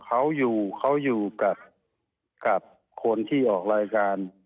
เขาอยู่กับคนที่ออกรายการ